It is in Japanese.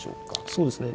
そうですね。